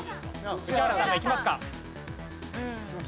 宇治原さんがいきますか？